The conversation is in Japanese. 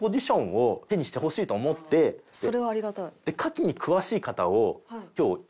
それはありがたい。